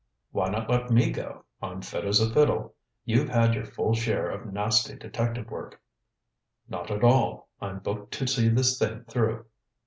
"Why not let me go? I'm fine as a fiddle. You've had your full share of nasty detective work." "Not at all. I'm booked to see this thing through."